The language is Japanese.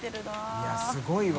いやすごいわ。